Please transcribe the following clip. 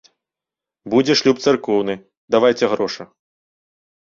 Будзе шлюб царкоўны, давайце грошы.